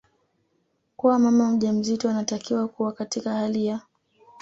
kuwa mama mjamzito anatakiwa kuwa katika hali ya